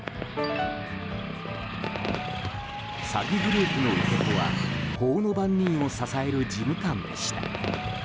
詐欺グループの受け子は法の番人を支える事務官でした。